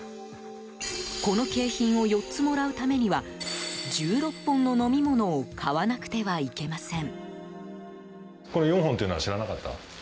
この景品を４つもらうためには１６本の飲み物を買わなくてはいけません。